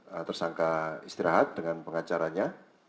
nah tersangka istirahat dengan pengacaranya